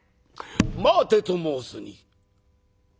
「待てと申すに。